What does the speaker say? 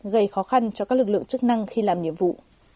gây khó khăn cho các lực lượng chức năng khi làm nhiệm vụ